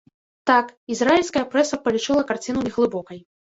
Так, ізраільская прэса палічыла карціну неглыбокай.